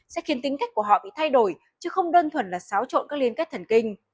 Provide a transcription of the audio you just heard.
sẽ khiến tính cách của họ bị thay đổi chứ không đơn thuần là xáo trộn các liên kết thần kinh